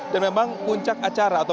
dan memang puncak acara